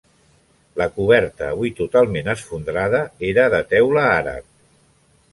La coberta, avui totalment esfondrada, era de teula àrab.